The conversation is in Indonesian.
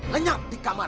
lenyap di kamar